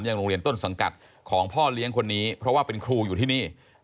โรงเรียนต้นสังกัดของพ่อเลี้ยงคนนี้เพราะว่าเป็นครูอยู่ที่นี่